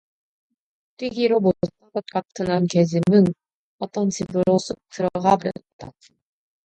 뛰기로 못 당할 것을 안 계집은 어떤 집으로 쑥 들어가 버렸다.